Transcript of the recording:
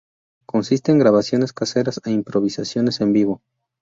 Consiste en grabaciones caseras e improvisaciones en vivo.